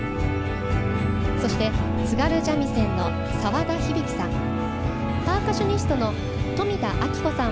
そして津軽三味線の澤田響紀さん。